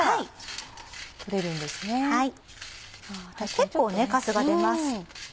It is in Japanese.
結構カスが出ます。